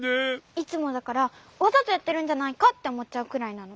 いつもだからわざとやってるんじゃないかっておもっちゃうくらいなの。